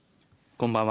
こんばんは。